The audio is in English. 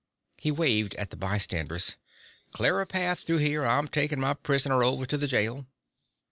He waved at the bystanders. "Clear a path through here; I'm takin' my prisoner over to the jail."